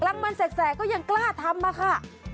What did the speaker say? รางวัลแสกก็ยังกล้าทำอะค่ะ